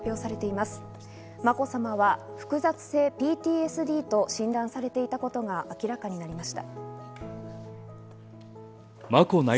まこさまは複雑性ＰＴＳＤと診断されていたことが明らかになりました。